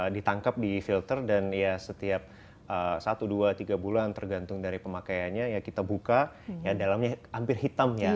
ditangkap di filter dan ya setiap satu dua tiga bulan tergantung dari pemakaiannya ya kita buka ya dalamnya hampir hitam ya